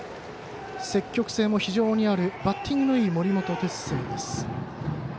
積極性も非常にあるバッティングもいい森本哲星。